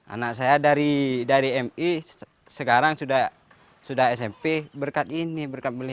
anak saya dari mi sekarang sudah smp berkat ini berkat beli